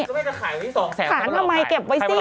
ไม่ได้ขายไว้ที่๒แสนขายมาใหม่เก็บไว้สิ